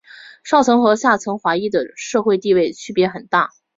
上层和下层华裔的社会地位区别很大。